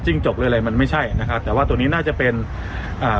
จกหรืออะไรมันไม่ใช่นะครับแต่ว่าตัวนี้น่าจะเป็นอ่า